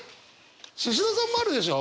シシドさんもあるでしょ？